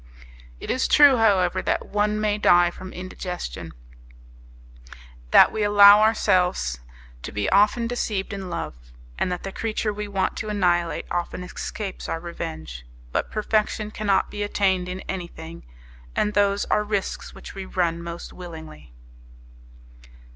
It is true, however, that one may die from indigestion, that we allow ourselves to be often deceived in love, and that the creature we want to annihilate often escapes our revenge; but perfection cannot be attained in anything, and those are risks which we run most willingly.